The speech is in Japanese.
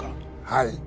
はい。